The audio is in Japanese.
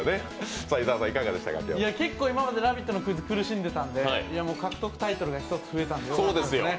結構今まで「ラヴィット！」のクイズ苦しんでたんで、獲得タイトルが一つ増えたのでよかったですね。